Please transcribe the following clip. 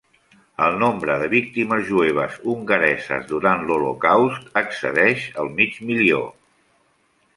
El nombre de víctimes jueves hongareses durant l'Holocaust excedeix el mig milió.